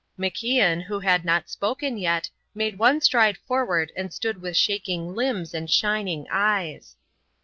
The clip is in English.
MacIan, who had not spoken yet, made one stride forward and stood with shaking limbs and shining eyes.